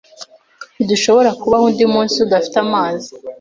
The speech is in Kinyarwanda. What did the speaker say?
Ntidushobora kubaho undi munsi tudafite amazi.